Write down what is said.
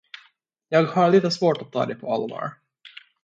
Jag har lite svårt att ta dig på allvar.